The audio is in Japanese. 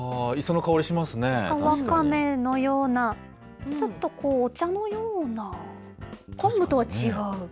わかめのような、ちょっとお茶のような、昆布とは違う。